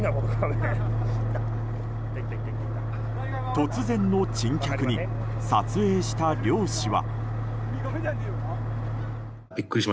突然の珍客に撮影した漁師は。